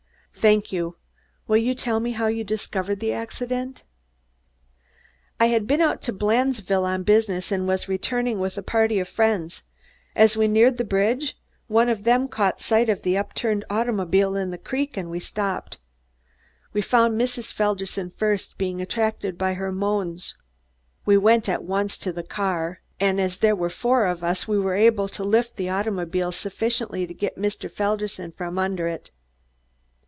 "Thank you. Will you tell me how you discovered the accident?" "I had been out to Blandesville on business and was returning with a party of friends. As we neared the bridge, one of them caught sight of the upturned automobile in the creek, and we stopped. We found Mrs. Felderson first, being attracted by her moans. We went at once to the car, and as there were four of us, we were able to lift the automobile sufficiently to get Mr. Felderson from under it.